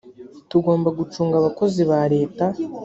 tugomba gucunga abakozi ba leta